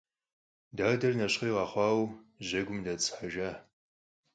Dader neşxhêy khexhuaue jegum det'ıshejjaş.